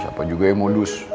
siapa juga ya modus